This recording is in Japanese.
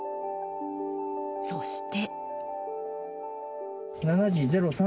そして。